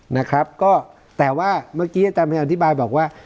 นะครับก็แต่ว่าเมื่อกี้อาจารย์พยายามอธิบายบอกว่า